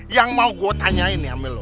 yang mau gue tanyain nih sama lu